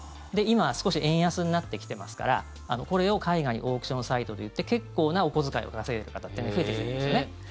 で、今、少し円安になってきてますからこれを海外にオークションサイトで売って結構なお小遣いを稼いでる方って今、増えてきているんですよね。